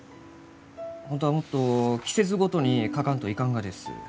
本当はもっと季節ごとに描かんといかんがです。